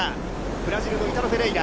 ブラジルのイタロ・フェレイラ。